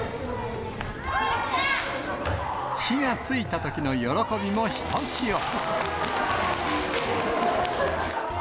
火がついたときの喜びもひとしお。